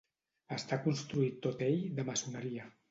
Està construït tot ell de maçoneria.